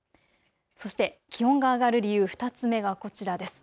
そして気温が上がる理由、２つ目がこちらです。